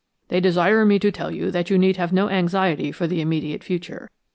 They desire me to tell you that you need have no anxiety for the immediate future.